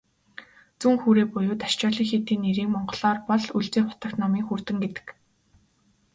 Зүүн хүрээ буюу "Дашчойлин" хийдийн нэрийг монголоор бол "Өлзий хутагт номын хүрдэн" гэдэг.